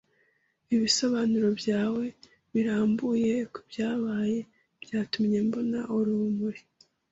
Ibisobanuro byawe birambuye kubyabaye byatumye mbona urumuri.